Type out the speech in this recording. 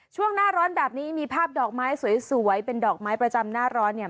ช่วงหน้าร้อนแบบนี้มีภาพดอกไม้สวยเป็นดอกไม้ประจำหน้าร้อนเนี่ย